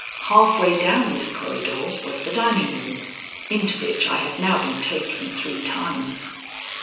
Half way down this corridor was the dining room, into which I had now been taken three times.